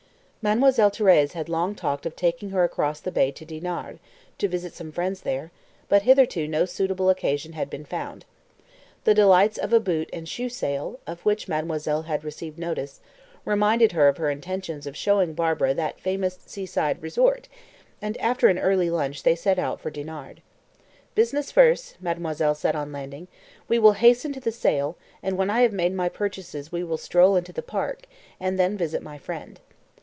Mademoiselle Thérèse had long talked of taking her across the bay to Dinard, to visit some friends there, but hitherto no suitable occasion had been found. The delights of a boot and shoe sale, of which mademoiselle had received notice, reminded her of her intentions of showing Barbara "that famous seaside resort," and after an early lunch they set out for Dinard. "Business first," mademoiselle said on landing; "we will hasten to the sale, and when I have made my purchases we will stroll into the park, and then visit my friend."